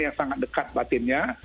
yang sangat dekat batinnya